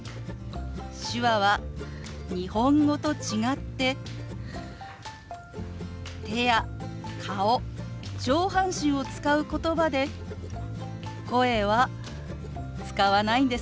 手話は日本語と違って手や顔上半身を使うことばで声は使わないんですよ。